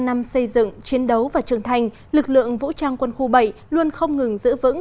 bảy mươi năm năm xây dựng chiến đấu và trưởng thành lực lượng vũ trang quân khu bảy luôn không ngừng giữ vững